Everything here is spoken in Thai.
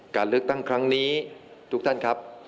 การเลือกตั้งครั้งนี้ทุกท่านครับ